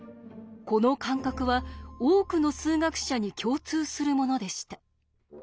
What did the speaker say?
この感覚は多くの数学者に共通するものでした。